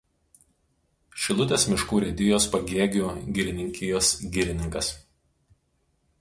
Šilutės miškų urėdijos Pagėgių girininkijos girininkas.